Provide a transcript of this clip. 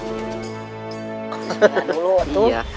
bismillah dulu tuh